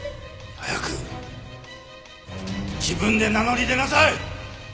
早く自分で名乗り出なさい！